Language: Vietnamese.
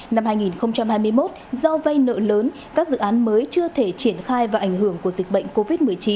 năm hai nghìn hai mươi một do vay nợ lớn các dự án mới chưa thể triển khai và ảnh hưởng của dịch bệnh covid một mươi chín